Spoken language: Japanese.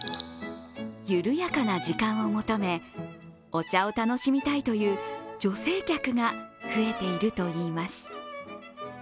緩やかな時間を求め、お茶を楽しみたいという女性客が増えているといいます。